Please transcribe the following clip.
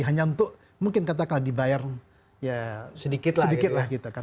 hanya untuk mungkin katakanlah dibayar ya sedikit sedikit lah gitu kan